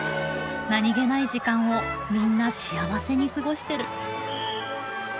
何気ない時間をみんな幸せに過ごしてる。